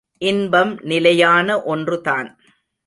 இன்பம் நிலையான ஒன்றுதான்.